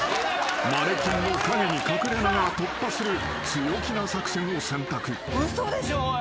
マネキンの陰に隠れながら突破する強気な作戦を選択］